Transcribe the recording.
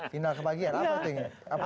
final kebagian apa itu